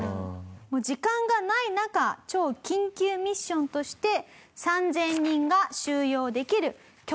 時間がない中超緊急ミッションとして３０００人が収容できる拠点を探せ。